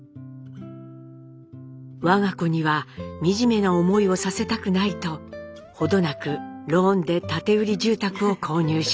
我が子には惨めな思いをさせたくないと程なくローンで建て売り住宅を購入します。